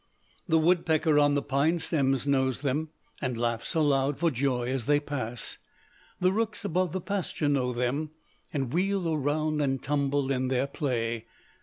"The woodpecker on the pine stems knows them, and laughs aloud for joy as they pass. The rooks above the pasture know them, and wheel around and tumble in their play.